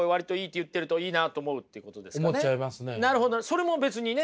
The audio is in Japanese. それも別にね